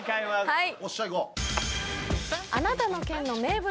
はい。